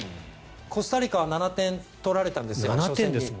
コスタリカは７点取られたんですが初戦に。